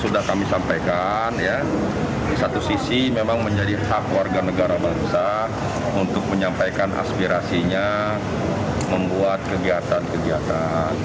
sudah kami sampaikan di satu sisi memang menjadi hak warga negara bangsa untuk menyampaikan aspirasinya membuat kegiatan kegiatan